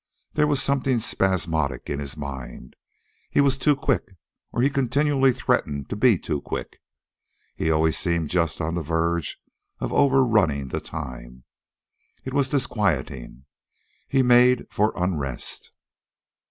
There was something spasmodic in his mind. He was too quick, or he continually threatened to be too quick. He always seemed just on the verge of overrunning the time. It was disquieting. He made for unrest.